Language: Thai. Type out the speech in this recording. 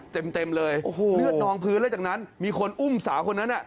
เต็มเต็มเลยโอ้โหเลือดนองพื้นแล้วจากนั้นมีคนอุ้มสาวคนนั้นอ่ะ